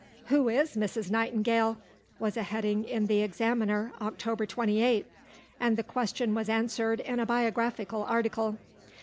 "Who is 'Mrs.' Nightingale?" was a heading in the Examiner (Oct. 28), and the question was answered in a biographical article.